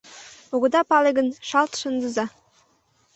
Огыда пагале гын, шалт шындыза!